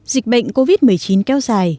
dịch bệnh covid một mươi chín kéo dài